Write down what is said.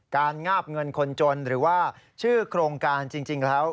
งาบเงินคนจนหรือว่าชื่อโครงการจริงแล้ว